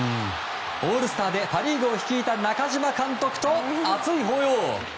オールスターでパ・リーグを率いた中嶋監督と熱い抱擁。